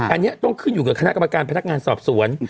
อันนี้ต้องขึ้นอยู่กับคณะกรรมการพนักงานสอบสวน